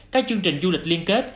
các chương trình du lịch liên kết